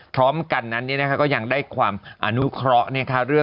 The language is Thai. พร้อมกันนั้นก็ยังได้ความอนุเคราะห์